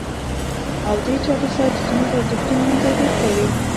او دې چارې سره زموږ ارزښتونه هم تغيير کوي.